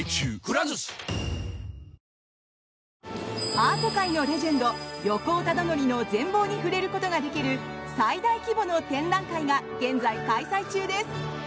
アート界のレジェンド横尾忠則の全貌に触れることができる最大規模の展覧会が現在開催中です。